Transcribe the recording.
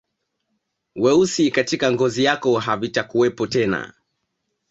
Weusi katika ngozi yako havitakuwepo tena